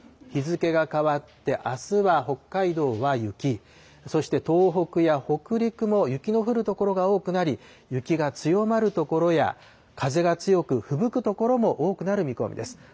日付が変わって、あすは北海道は雪、そして東北や北陸も雪の降る所が多くなり、雪が強まる所や風が強く、ふぶく所も多くなる見込みです。